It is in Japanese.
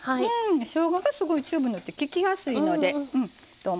しょうががすごいチューブのってききやすいのでと思います。